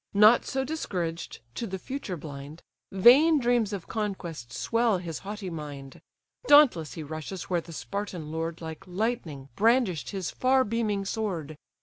Not so discouraged, to the future blind, Vain dreams of conquest swell his haughty mind; Dauntless he rushes where the Spartan lord Like lightning brandish'd his far beaming sword.